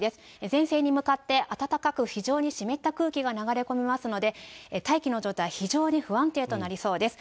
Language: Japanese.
前線に向かって暖かく非常に湿った空気が流れ込みますので、大気の状態、非常に不安定となりそうです。